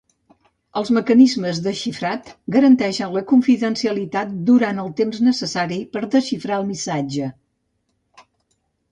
Els mecanismes de xifrat garanteixen la confidencialitat durant el temps necessari per desxifrar el missatge.